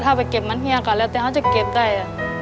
ถ้าไปเก็บปั้นแหงก็ง่ายแต่เค้าจะเก็บได้